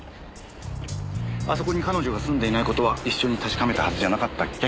あそこに彼女が住んでいない事は一緒に確かめたはずじゃなかったっけ？